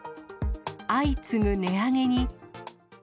相次ぐ値上げに。